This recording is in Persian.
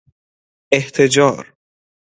احتجار